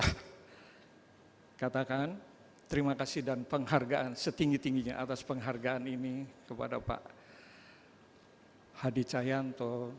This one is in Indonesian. saya katakan terima kasih dan penghargaan setinggi tingginya atas penghargaan ini kepada pak hadi cahyanto